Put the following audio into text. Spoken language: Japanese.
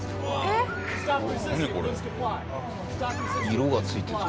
色がついてるぞ。